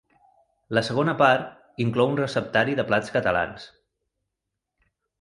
La segona part inclou un receptari de plats catalans.